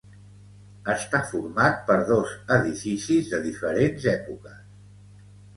Està format per dos edificis de diferents èpoques.